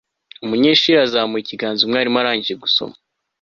Umunyeshuri yazamuye ikiganza umwarimu arangije gusoma